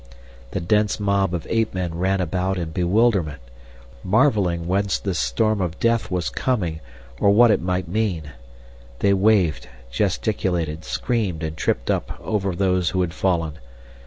The dense mob of ape men ran about in bewilderment, marveling whence this storm of death was coming or what it might mean. They waved, gesticulated, screamed, and tripped up over those who had fallen.